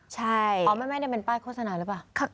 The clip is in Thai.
ใช่อ๋อไม่ได้เป็นป้ายโฆษณาหรือเปล่า